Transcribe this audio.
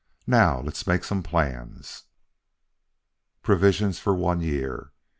Now let's make some plans." Provisions for one year!